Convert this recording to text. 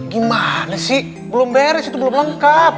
gimana sih belum beres itu belum lengkap